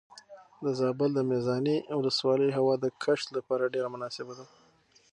د زابل د میزانې ولسوالۍ هوا د کښت لپاره ډېره مناسبه ده.